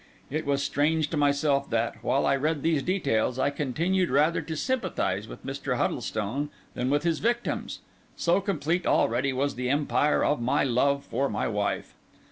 It was strange to myself that, while I read these details, I continued rather to sympathise with Mr. Huddlestone than with his victims; so complete already was the empire of my love for my wife.